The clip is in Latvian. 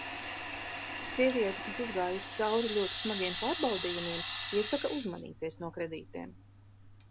Sieviete, kas izgājusi cauri ļoti smagiem pārbaudījumiem, iesaka uzmanīties no kredītiem.